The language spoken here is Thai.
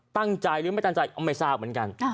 ตั้งใจหรือไม่ตั้งใจไม่ทราบเหมือนกัน